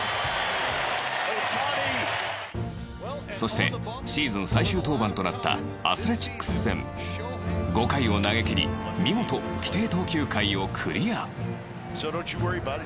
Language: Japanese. そしてシーズン最終登板となったアスレチックス戦。５回を投げ切り見事、規定投球回をクリア。